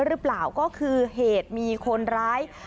หรือเปล่าก็คือเหตุมีคนร้าย